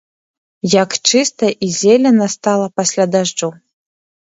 Як чыста і зелена стала пасля дажджу.